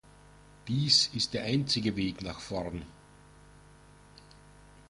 Dies ist der einzige Weg nach vorn.